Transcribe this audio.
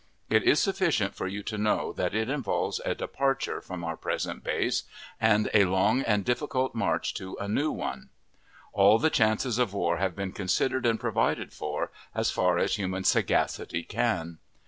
It is sufficient for you to know that it involves a departure from our present base, and a long and difficult march to a new one. All the chances of war have been considered and provided for, as far as human sagacity can.